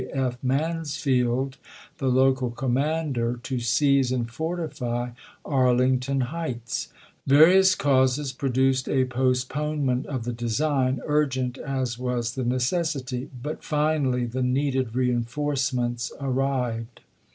K. F. Mansfield, the local commander, to seize and fortify Arlington Heights. Various causes produced a post ponement of the design, urgent as was the necessity; but finally the needed reenforcements arrived.